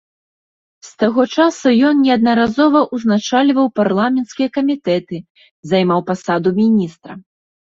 З таго часу ён неаднаразова ўзначальваў парламенцкія камітэты, займаў пасаду міністра.